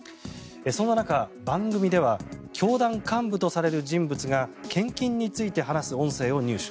そんな中、番組では教団幹部とされる人物が献金について話す音声を入手。